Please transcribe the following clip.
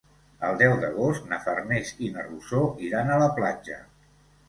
El deu d'agost na Farners i na Rosó iran a la platja.